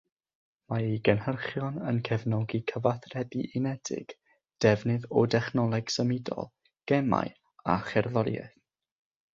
Mae'i gynhyrchion yn cefnogi cyfathrebu unedig, defnydd o dechnoleg symudol, gemau a cherddoriaeth,